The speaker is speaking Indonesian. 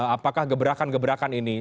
apakah geberakan geberakan ini